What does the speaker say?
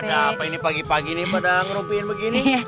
ada apa ini pagi pagi nih pada ngerupiin begini